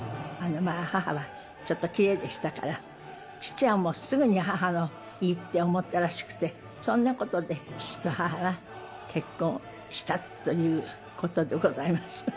母は、ちょっときれいでしたから、父はもう、すぐに母をいいって思ったらしくて、そんなことで、父と母が結婚したということでございます。